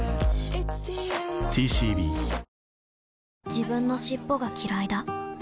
自分の尻尾がきらいだ